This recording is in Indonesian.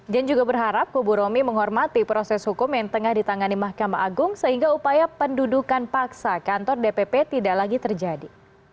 jan juga berharap kubu romi menghormati proses hukum yang tengah ditangani mahkamah agung sehingga upaya pendudukan paksa kantor dpp tidak lagi terjadi